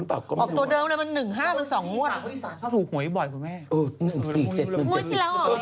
ออกตัวเดิมแล้วมัน๑๕มัน๒หมวด